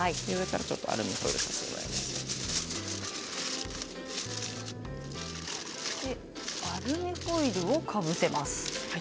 ちょっとアルミホイルをかぶせます。